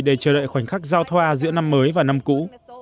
để chờ đợi khoảnh khắc giao thoa giữa năm mới và năm cũ